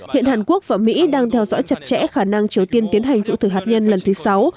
hiện hàn quốc và mỹ đang theo dõi chặt chẽ khả năng triều tiên tiến hành vụ thử hạt nhân lần thứ sáu